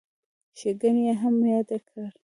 ښېګڼې یې هم یادې کړو.